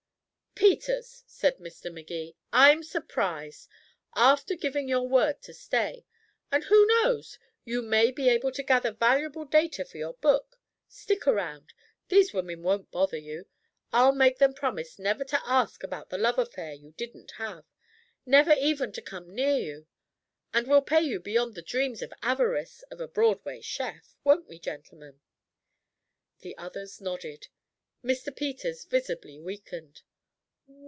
"Peters," said Mr. Magee, "I'm surprised. After giving your word to stay! And who knows you may be able to gather valuable data for your book. Stick around. These women won't bother you. I'll make them promise never to ask about the love affair you didn't have never even to come near you. And we'll pay you beyond the dreams of avarice of a Broadway chef. Won't we, gentlemen?" The others nodded. Mr. Peters visibly weakened.